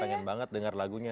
pengen banget dengar lagunya